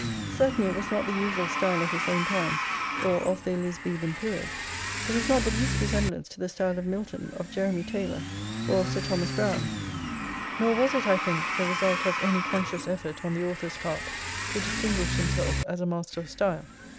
Certainly it was not the usual style of his own time, or of the Elizabethan period. It has not the least resemblance to the style of Milton, of J eremy Taylor, or of Sir Thomas Browne. Nor was it, I think, the result of any conscious effort on the authors' part to distinguish himself as a master of style.